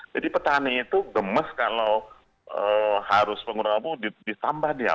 jadi petani itu gemes kalau harus pengguna labu ditambah dia